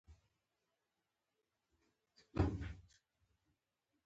د غنم دانه د څه لپاره وکاروم؟